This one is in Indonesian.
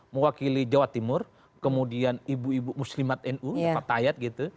mewakili jawa timur kemudian ibu ibu muslimat nu dapat tayat gitu